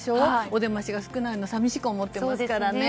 お出ましが少ないのを寂しく思ってますからね。